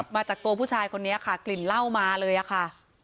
มาจากตัวผู้ชายคนนี้ค่ะกลิ่นเหล้ามาเลยอะค่ะ